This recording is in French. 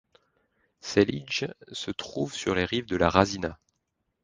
Ćelije se trouve sur les rives de la Rasina.